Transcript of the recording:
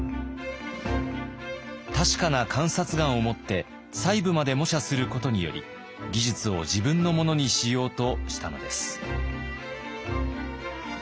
確かな観察眼をもって細部まで模写することにより技術を自分のものにしようとしたのです。